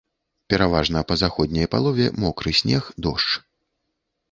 Пераважна па заходняй палове мокры снег, дождж.